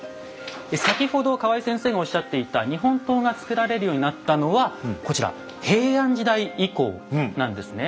先ほど河合先生がおっしゃっていた日本刀が作られるようになったのはこちら平安時代以降なんですね。